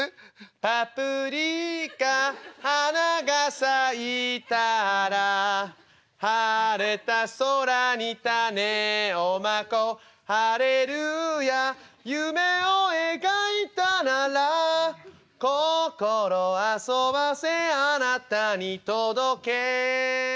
「パプリカ花が咲いたら晴れた空に種を蒔こう」「ハレルヤ夢を描いたなら心遊ばせあなたにとどけ」